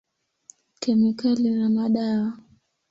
Kemikali na madawa.